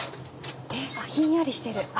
ひんやりしてる。